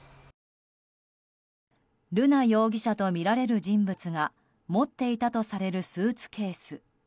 瑠奈容疑者とみられる人物が持っていたとされるスーツケース。